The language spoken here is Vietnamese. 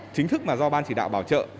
những thức mà do ban chỉ đạo bảo trợ